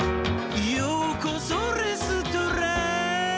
「ようこそレストラン」